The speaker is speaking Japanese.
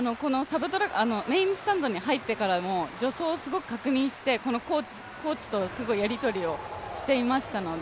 メインスタンドに入ってからも助走、すごく確認して、このコーチとすごいやり取りをしていましたので